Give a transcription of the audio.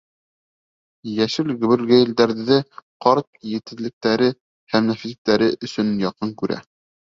Йәшел гөбөргәйелдәрҙе ҡарт етеҙлектәре һәм нәфислектәре өсөн яҡын күрә.